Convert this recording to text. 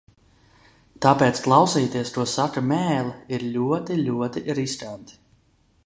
Tāpēc klausīties, ko saka mēle, ir ļoti, ļoti riskanti.